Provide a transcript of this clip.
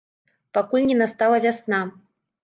Пакуль не настала вясна.